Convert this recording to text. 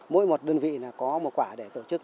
mỗi một đơn vị là có một quả để tổ chức